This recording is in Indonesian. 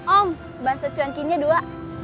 om bakso cuan kinnya dua